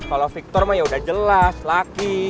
kalau victor mah ya udah jelas laki